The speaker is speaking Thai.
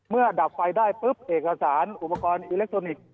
ดับไฟได้ปุ๊บเอกสารอุปกรณ์อิเล็กทรอนิกส์